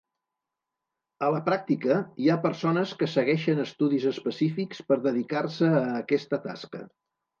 A la pràctica, hi ha persones que segueixen estudis específics per dedicar-se a aquesta tasca.